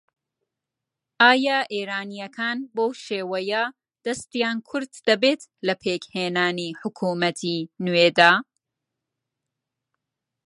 ئایا ئێرانییەکان بەو شێوەیە دەستیان کورت دەبێت لە پێکهێنانی حکوومەتی نوێدا؟